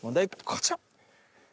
こちら。